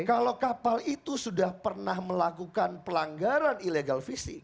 kalau kapal itu sudah pernah melakukan pelanggaran illegal fishing